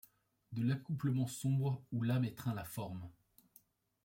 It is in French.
De l’accouplement sombre où l’âme étreint la forme ;